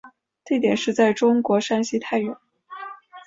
地点是在中国山西太原。